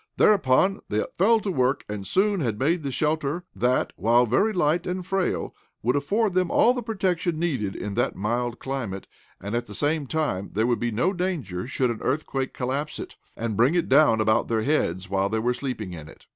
Thereupon they fell to work, and soon had made a shelter that, while very light and frail, would afford them all the protection needed in that mild climate, and, at the same time, there would be no danger should an earthquake collapse it, and bring it down about their heads while they were sleeping in it.